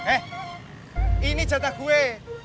eh ini jatah gue